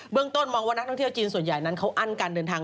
ต้นมองว่านักท่องเที่ยวจีนส่วนใหญ่นั้นเขาอั้นการเดินทาง